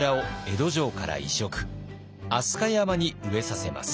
飛鳥山に植えさせます。